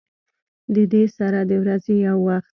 د دې سره د ورځې يو وخت